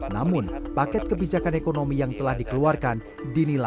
namun paket kebijakan ekonomi yang telah dikeluarkan